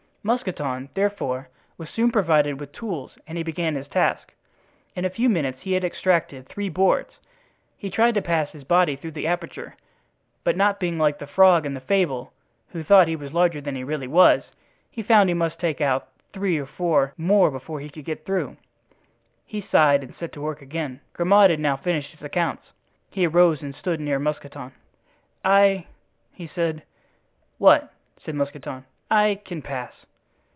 Mousqueton, therefore, was soon provided with tools and he began his task. In a few minutes he had extracted three boards. He tried to pass his body through the aperture, but not being like the frog in the fable, who thought he was larger than he really was, he found he must take out three or four more before he could get through. He sighed and set to work again. Grimaud had now finished his accounts. He arose and stood near Mousqueton. "I," he said. "What?" said Mousqueton. "I can pass."